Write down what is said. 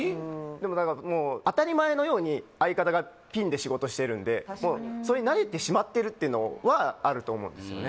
でも何かもう当たり前のように相方がピンで仕事しているんでもうそれに慣れてしまっているっていうのはあると思うんです